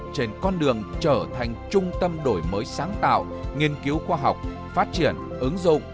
trên con đường trở thành trung tâm đổi mới sáng tạo nghiên cứu khoa học phát triển ứng dụng